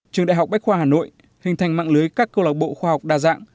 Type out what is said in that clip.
trường đại học bách khoa hà nội hình thành mạng lưới các câu lạc bộ khoa học đa dạng